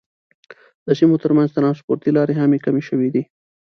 د سیمو تر منځ ترانسپورتي لارې هم کمې شوې دي.